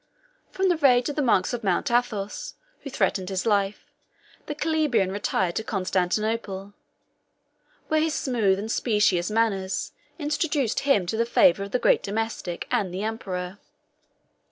From the rage of the monks of Mount Athos, who threatened his life, the Calabrian retired to Constantinople, where his smooth and specious manners introduced him to the favor of the great domestic and the emperor.